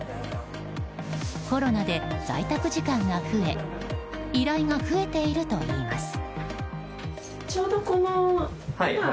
コロナで在宅時間が増え依頼が増えているといいます。